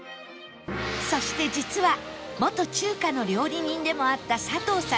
そして実は元中華の料理人でもあった佐藤さん